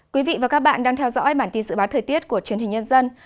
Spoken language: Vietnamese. quý vị và các bạn đang theo dõi bản tin dự báo thời tiết của truyền hình nhân dân